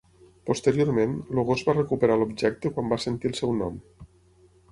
Posteriorment, el gos va recuperar l"objecte quan va sentir el seu nom.